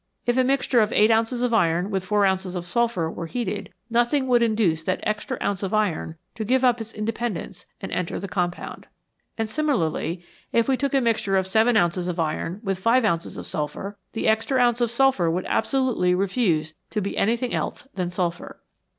If a mixture of eight ounces of iron with four ounces of sulphur were heated, nothing would induce that extra ounce of iron to give up its independence and enter the compound. And similarly if we took a mixture of seven ounces of iron with five ounces of sulphur, the extra ounce of sulphur would absolutely refuse to be anything else than sulphur.